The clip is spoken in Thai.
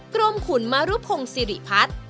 กรมขุนมรุพงศิริพัฒน์